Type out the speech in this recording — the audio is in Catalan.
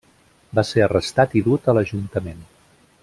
Va ser arrestat i dut a l'ajuntament.